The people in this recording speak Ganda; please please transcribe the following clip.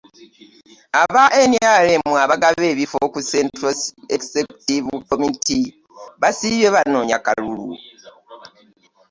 Aba NRM abaagala ebifo ku Central Executive Committee basiibye banoonya kalulu